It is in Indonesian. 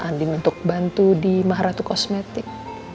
andin untuk bantu di maharatu kosmetik